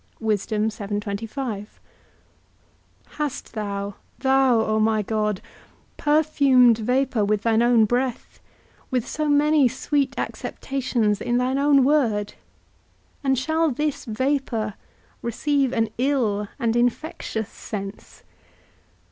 _ Hast thou, thou, O my God, perfumed vapour with thine own breath, with so many sweet acceptations in thine own word, and shall this vapour receive an ill and infectious sense?